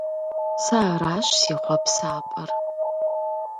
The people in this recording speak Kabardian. Сэ аращ си хъуапсапӀэр!